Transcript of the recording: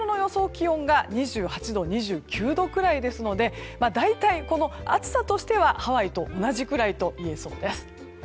気温が２８度、２９度くらいなので大体、暑さとしてはハワイと同じくらいといえそうです。